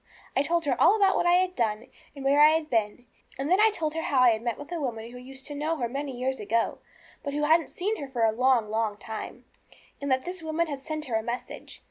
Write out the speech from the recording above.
I told her all about what I had done, and where I had been. And then I told her how I had met with a woman who used to know her many years ago, but who hadn't seen her for a long, long time, and that this woman had sent her a message.